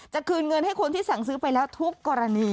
คืนเงินให้คนที่สั่งซื้อไปแล้วทุกกรณี